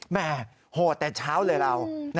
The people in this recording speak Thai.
แม่โหดแต่เช้าเลยเรา